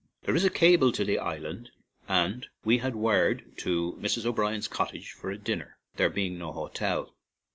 There is a cable to the island, and we had wired to Mrs. O'Brien's cottage for a dinner, there being no hotel.